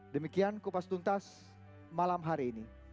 demikian kupas tuntas malam hari ini